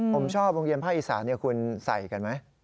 ผมชอบโรงเรียนผ้าอีสานี่คุณใส่กันไหม